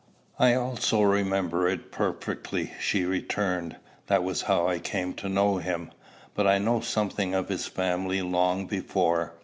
"I also remember it perfectly," she returned. "That was how I came to know him. But I knew something of his family long before.